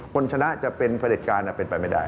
คนชนะจะเป็นประเด็จการเป็นไปไม่ได้